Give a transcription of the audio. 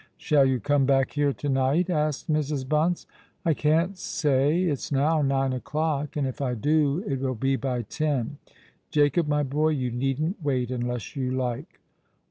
"Shall you come back here to night?" asked Mrs. Bunce. "I can't say. It's now nine o'clock; and if I do, it will be by ten. Jacob, my boy, you needn't wait unless you like."